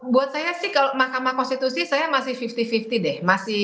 buat saya sih kalau mahkamah konstitusi saya masih lima puluh lima puluh deh